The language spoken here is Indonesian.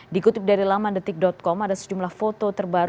dikutip dari laman detik com ada sejumlah foto terbaru